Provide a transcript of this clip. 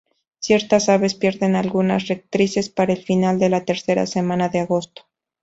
Ciertas aves pierden algunas rectrices para el final de la tercera semana de agosto.